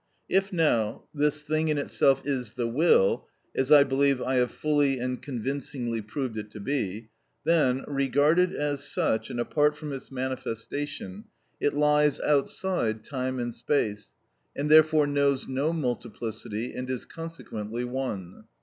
If, now, this thing in itself is the will, as I believe I have fully and convincingly proved it to be, then, regarded as such and apart from its manifestation, it lies outside time and space, and therefore knows no multiplicity, and is consequently one.